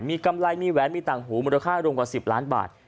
มีกำไรมีแหวนมีต่างหูมูลค่ารวมกว่า๑๐ล้านบาท